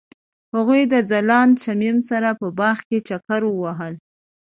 هغوی د ځلانده شمیم سره په باغ کې چکر وواهه.